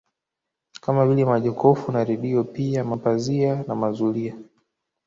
Kama vile majokofu na redio pia mapazia na mazulia